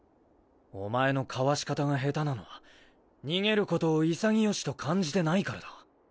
おまえのかわし方が下手なのは逃げる事を潔しと感じてないからだ。